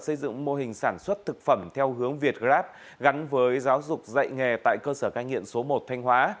xây dựng mô hình sản xuất thực phẩm theo hướng việt grab gắn với giáo dục dạy nghề tại cơ sở cai nghiện số một thanh hóa